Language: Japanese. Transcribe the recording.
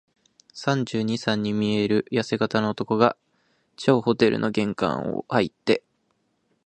三十二、三に見えるやせ型の男が、張ホテルの玄関をはいって、